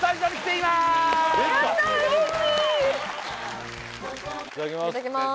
いただきます